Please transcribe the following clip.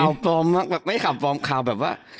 ข่าวปลอมไม่ข่าวปลอมข่าวแบบว่า